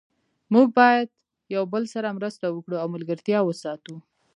موږ باید یو بل سره مرسته وکړو او ملګرتیا وساتو